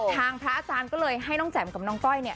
ทางพระอาจารย์ก็เลยให้น้องแจมกับน้องก้อย